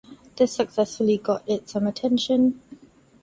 This successfully got it some attention.